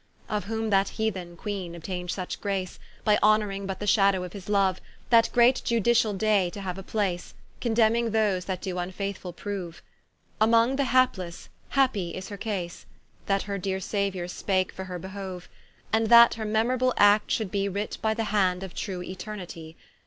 Of whom that Heathen queene obtain'd such grace, By honouring but the shadow of his Loue, That great Iudiciall day to haue a place, Condemning those that doe vnfaithfull proue; Among the haplesse, happie is her case, That her deere Sauiour spake for her behoue; And that her memorable Act should be Writ by the hand of true Eternitie.